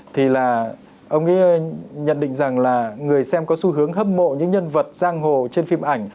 thì là ông ấy nhận định rằng là người xem có xu hướng hâm mộ những nhân vật giang hồ trên phim ảnh